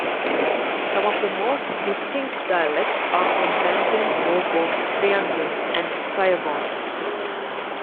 Some of the most distinct dialects are from Banten, Bogor, Priangan, and Cirebon.